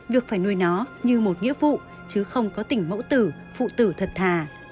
việc phải nuôi nó như một nghĩa vụ chứ không có tỉnh mẫu tử phụ tử thật thà